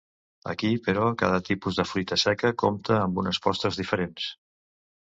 Aquí, però, cada tipus de fruita seca compta com unes postres diferents.